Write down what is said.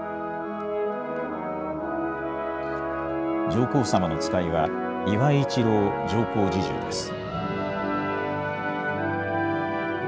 上皇さまの使いは、岩井一郎上皇侍従です。